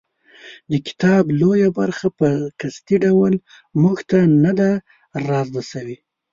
د کتاب لویه برخه په قصدي ډول موږ ته نه ده رازده شوې.